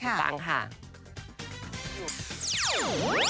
มีแฟนหรือยังค่ะใช่ประตูน